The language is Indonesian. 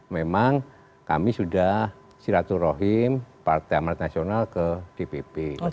memang kami sudah siraturohim partai amanat nasional ke dpp